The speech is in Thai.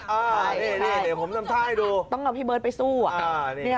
นี่ผมทำท่าให้ดูต้องเอาพี่เบิร์ตไปสู้อ่ะ